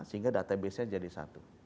sehingga database nya jadi satu